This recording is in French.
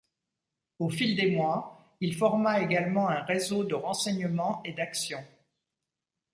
Au fil des mois, il forma également un réseau de renseignement et d'action.